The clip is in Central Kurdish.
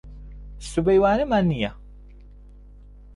سبەی وانەمان نییە.